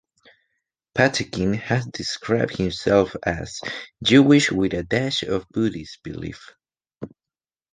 Patinkin has described himself as "Jewish with a dash of Buddhist" belief.